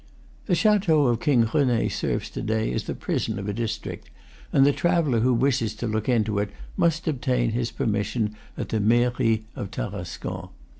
The chateau of King Rene serves to day as the prison of a district, and the traveller who wishes to look into it must obtain his permission at the Mairie of Tarascon.